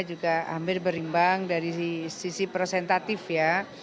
juga hampir berimbang dari sisi prosentatif ya